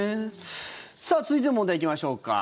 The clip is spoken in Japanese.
さあ、続いての問題行きましょうか。